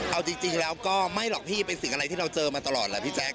เอาจริงแล้วก็ไม่หรอกพี่เป็นสิ่งอะไรที่เราเจอมาตลอดแหละพี่แจ๊